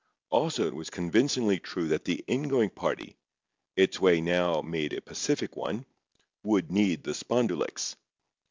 Also it was convincingly true that the ingoing party—its way now made a pacific one—would need the "spondulicks."